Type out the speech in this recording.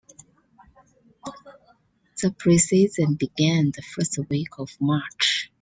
The preseason began the first week of March.